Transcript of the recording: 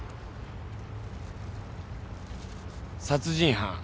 殺人犯